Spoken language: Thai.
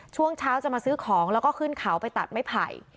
ช่วงเช้าจะมาซื้อของแล้วก็ขึ้นเขาไปตัดไม้ไผ่